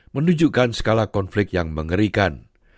menunjukkan skala konflik yang mengerikan